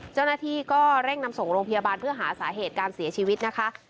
เจ้าหน้าที่ก็เร่งนำส่งโรงพยาบาลเพื่อหาสาเหตุการเสียชีวิตนะคะ